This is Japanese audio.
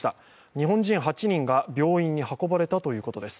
日本人８人が病院に運ばれたということです。